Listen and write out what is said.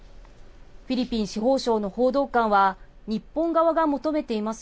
フィリピン司法省の報道官は、日本側が求めています